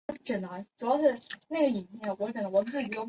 这通常意味着并非所有的节点被影响。